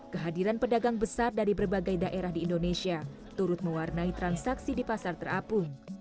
kehadiran pedagang besar dari berbagai daerah di indonesia turut mewarnai transaksi di pasar terapung